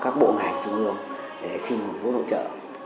các bộ ngành trung ương để xin nguồn vốn hỗ trợ